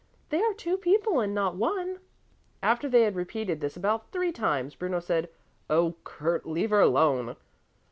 They are two people and not one." After they had repeated this about three times Bruno said, "Oh, Kurt, leave her alone.